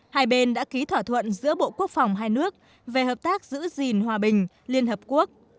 hai bên đã ký thỏa thuận giữa bộ quốc phòng hai nước về hợp tác giữ gìn hòa bình liên hợp quốc